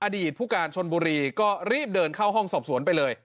อดีตผู้การชนบุรีก็รีบเดินเข้าห้องสอบสวนไปเลย